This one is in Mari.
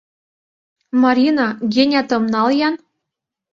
Марина, Генятым нал-ян.